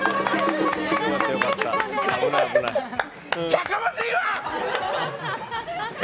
じゃかましいわ！